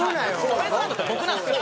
ウエストランドって僕なんですよ。